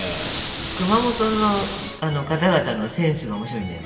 熊本の方々のセンスが面白いんだよ。